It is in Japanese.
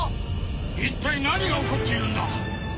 一体何が起こっているんだ？